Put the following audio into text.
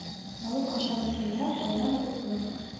Балыҡ ашағың килһә, һыуҙан ҡурҡма.